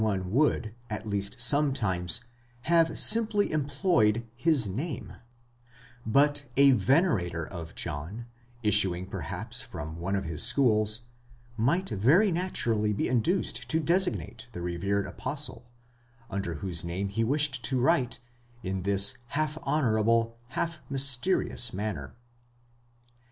one would, at least sometimes, have simply employed his name: but a venerator of John, issuing perhaps from one of his schools, might very natur ally be induced to designate the revered apostle, under whose name he wished to write, in this half honourable, half mysterious manner.!